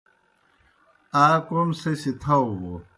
آ کوْم سہ سیْ تھاؤ بوْ